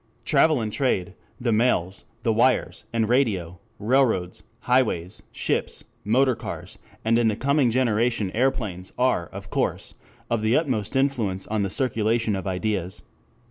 Travel and trade, the mails, the wires, and radio, railroads, highways, ships, motor cars, and in the coming generation aeroplanes, are, of course, of the utmost influence on the circulation of ideas.